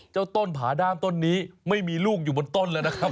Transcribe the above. ต้นผาด้ามต้นนี้ไม่มีลูกอยู่บนต้นเลยนะครับ